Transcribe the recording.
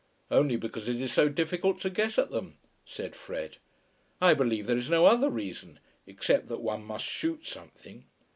"Only because it is so difficult to get at them," said Fred. "I believe there is no other reason, except that one must shoot something."